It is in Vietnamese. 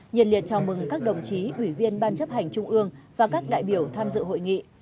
nhiệt liệt chào mừng các đồng chí ủy viên ban chấp hành trung ương và các đại biểu tham dự hội nghị